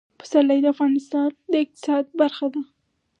پسرلی د افغانستان د اقتصاد برخه ده.